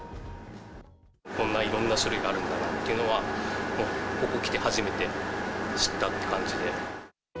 こんないろんな種類があるんだなというのは、ここ来て初めて知ったって感じで。